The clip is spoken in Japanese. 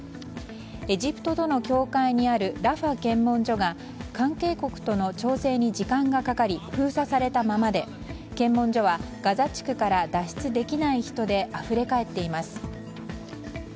エジプトとの境界にあるラファ検問所が関係国との調整に時間がかかり封鎖されたままで検問所はガザ地区から脱出できない人であふれかえっています。